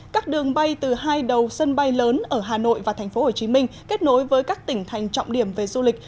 các đường bay từ hai đầu sân bay lớn ở hà nội và tp hcm kết nối với các tỉnh thành trọng điểm về du lịch